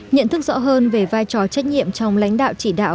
nhận thức rõ hơn về vai trò trách nhiệm trong lãnh đạo chỉ đạo